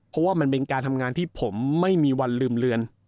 เพราะว่ามันเป็นการทำงานที่ผมไม่มีวันลืมเลือน